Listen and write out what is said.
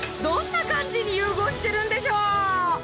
どんな感じに融合してるんでしょう？